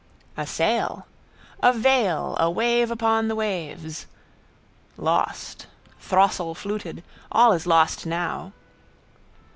A sail! A veil awave upon the waves. Lost. Throstle fluted. All is lost now.